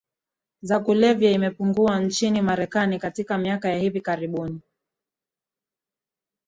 za kulevya imepungua nchini Marekani katika miaka ya hivi karibuni